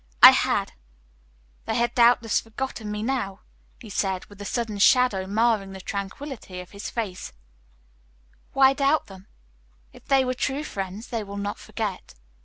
"I had. They had doubtless forgotten me now," he said, with a sudden shadow marring the tranquillity of his face. "Why doubt them? If they were true friends, they will not forget."